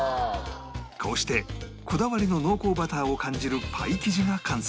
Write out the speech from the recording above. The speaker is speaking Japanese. こうしてこだわりの濃厚バターを感じるパイ生地が完成